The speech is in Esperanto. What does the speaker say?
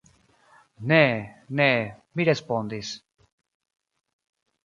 Ne, ne, mi respondis.